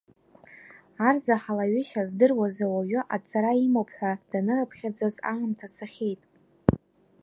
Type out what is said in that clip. Арзаҳал аҩышьа здыруаз ауаҩы аҵара имоуп ҳәа данырыԥхьаӡоз аамҭа цахьеит.